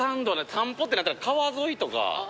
散歩ってなったら川沿いとか。